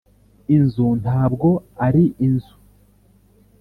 inzu ntabwo ari inzu